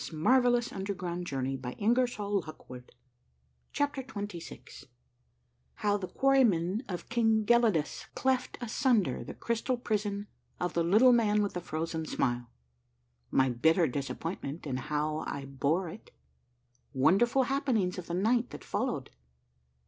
176 A MARVELLOUS UNDERGROUND JOURNEY CHAPTER XXVI HOW THE QUARRY MEN OF KING GELIDUS CLEFT ASUNDER THE CRYSTAL PRISON OF THE LITTLE MAN WITH THE FROZEN SMILE. — MY BITTER DISAPPOINTMENT, AND HOW I BORE IT. — WONDERFUL HAPPENINGS OF THE NIGHT THAT FOL LOWED.